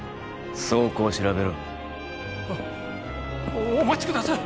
倉庫を調べろお待ちください